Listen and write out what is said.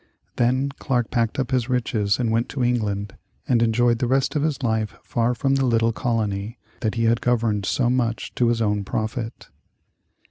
Then Clarke packed up his riches and went to England and enjoyed the rest of his life far from the little colony that he had governed so much to his own profit.